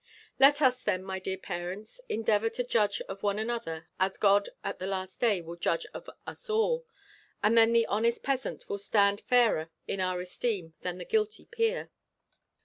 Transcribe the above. Let us then, my dear parents, endeavour to judge of one another, as God, at the last day, will judge of us all: and then the honest peasant will stand fairer in our esteem than the guilty peer.